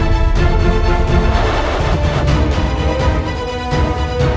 sebelum kau mengangkatmu menjadi panglima perang